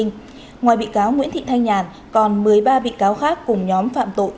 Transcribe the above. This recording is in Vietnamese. ngoài bị cáo nguyễn thị thanh nhàn còn một mươi ba bị cáo khác cùng nhóm phạm tội